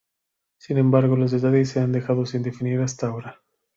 Sin embargo, los detalles se han dejado sin definir hasta ahora.